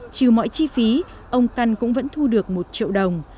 trừ mọi chi phí ông căn cũng vẫn thu được một triệu đồng